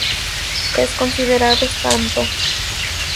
Es considerado santo.